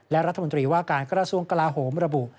และรัฐมนตรีว่าการกระทรวงกลาโหมระบุ